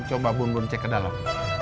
coba bun bun cek ke dalam